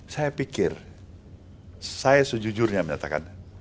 saya pikir saya sejujurnya menyatakan